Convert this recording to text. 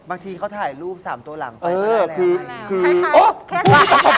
บางทีเขาถ่ายรูปสามตัวหลังไปมาแล้ว